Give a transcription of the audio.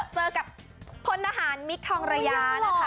เจอกับพลทหารมิคทองระยานะคะ